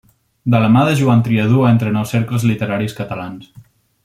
De la mà de Joan Triadú entra en els cercles literaris catalans.